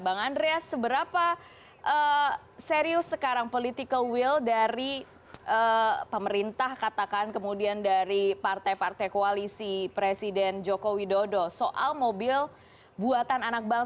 bang andreas seberapa serius sekarang